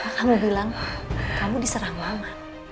kamu bilang kamu diserang mama